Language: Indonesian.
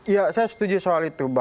ya saya setuju soal itu